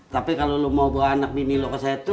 tapi kalau lo mau bawa anak bini lo ke situ